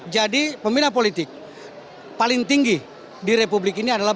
jadi pembina politik paling tinggi di republik ini adalah